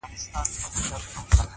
نه هوس د ميراث پاته كم او لوى ته،